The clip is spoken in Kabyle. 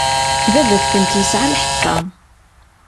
Baba-tkent yesɛa lḥeṭṭa.